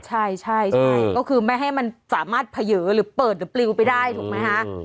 ใช่ใช่ก็คือไม่ให้มันสามารถเผยหรือเปิดหรือปลิวไปได้ถูกไหมคะ